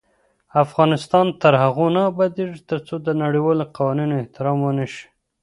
افغانستان تر هغو نه ابادیږي، ترڅو د نړیوالو قوانینو احترام ونشي.